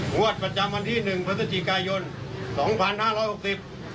งวดประจำวันที่หนึ่งพฤศจิกายนสองพันห้าร้อยหกสิบ